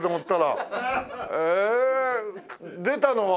ええ出たのは。